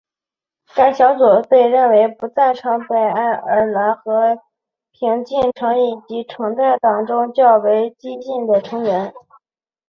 该小组被认为不赞成北爱尔兰和平进程及在橙带党中较为激进的成员。